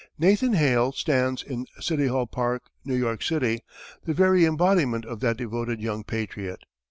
"Nathan Hale" stands in City Hall Park, New York City, the very embodiment of that devoted young patriot.